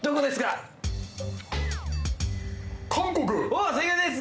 おっ正解です。